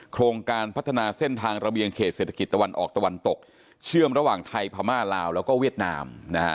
โครงการพัฒนาเส้นทางระเบียงเขตเศรษฐกิจตะวันออกตะวันตกเชื่อมระหว่างไทยพม่าลาวแล้วก็เวียดนาม